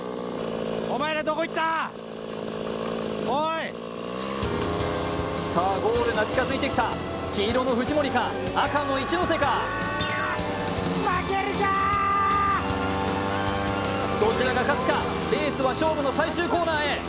おーいさあゴールが近づいてきた黄色の藤森か赤の一ノ瀬かどちらが勝つかレースは勝負の最終コーナーへ